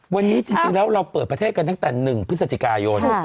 วันนี้จริงแล้วเราเปิดประเทศกันตั้งแต่๑พฤศจิกายน